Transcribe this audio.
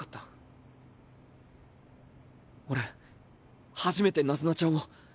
俺初めてナズナちゃんを。